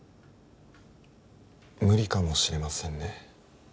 無理かもしれませんね